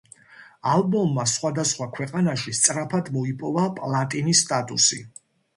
ალბომმა სხვადასხვა ქვეყანაში სწრაფად მოიპოვა პლატინის სტატუსი.